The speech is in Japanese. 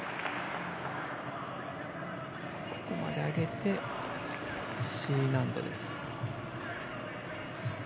ここまで上げてＣ難度です。